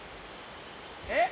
えっ？